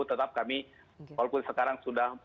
tetap kami walaupun sekarang sudah